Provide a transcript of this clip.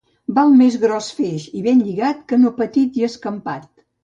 Val més gros feix i ben lligat que no petit i escampat.